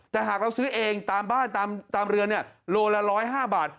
แต่หากเราซื้อเองตามบ้านตามเรือนโลละ๑๐๕บาท